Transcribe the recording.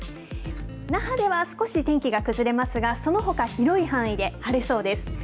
那覇では少し天気が崩れますが、そのほか、広い範囲で晴れそうです。